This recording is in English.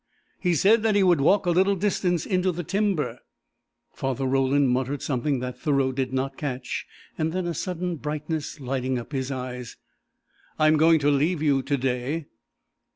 "He said that he would walk a little distance into the timber." Father Roland muttered something that Thoreau did not catch, and then, a sudden brightness lighting up his eyes: "I am going to leave you to day."